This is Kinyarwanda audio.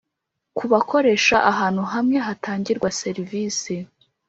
Ku bakoresha ahantu hamwe hatangirwa serivisi